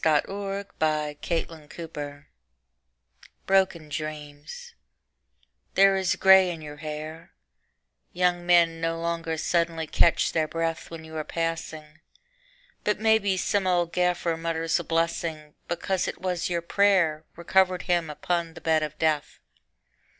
William Butler Yeats Broken Dreams THERE is grey in your hair, Young men no longer suddenly catch their breath When you are passing; But maybe some old gaffer mutters a blessing Because it was your prayer Recovered him upon the bed of death.